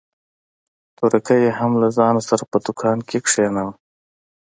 تورکى يې هم له ځان سره په دوکان کښې کښېناوه.